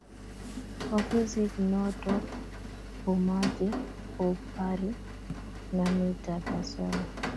Ofisit notok ko mache ko parie namet ab asoya